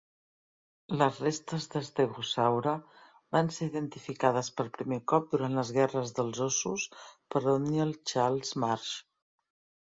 Les restes d'estegosaure van ser identificades per primer cop durant les Guerres dels Ossos per Othniel Charles Marsh.